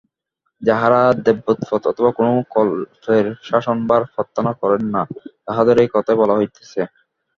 যাঁহারা দেবত্বপদ অথবা কোন কল্পের শাসনভার প্রার্থনা করেন না, তাঁহাদেরই কথা বলা হইতেছে।